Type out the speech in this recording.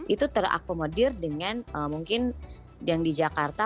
itu terakomodir dengan mungkin yang di jakarta